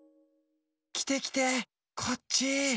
きてきてこっち。